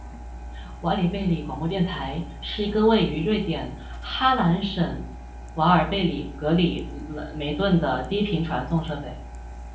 瓦尔贝里广播电台是一个位于瑞典哈兰省瓦尔贝里格里梅顿的低频传送设备。